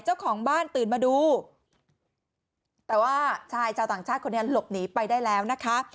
เจ้าของบ้านตื่นมาดูแต่ว่าชายชาวต่างชาติคนนี้หลบหนีไปได้แล้วนะคะ